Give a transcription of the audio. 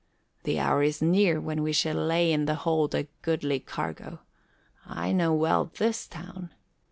"The hour is near when we shall lay in the hold a goodly cargo. I know well this town.